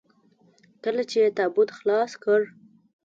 کله چې يې تابوت خلاص کړ.